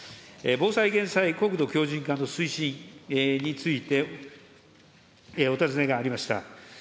防災・減災、国土強じん化の推進についてお尋ねがありました。